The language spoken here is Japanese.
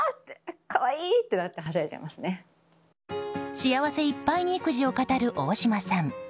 幸せいっぱいに育児を語る大島さん。